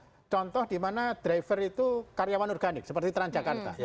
itu sudah ada contoh contoh di mana driver itu karyawan organik seperti transjakarta